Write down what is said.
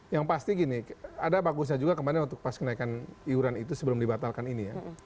yang pasti gini ada bagusnya juga kemarin untuk pas kenaikan iuran itu sebelum dibatalkan ini ya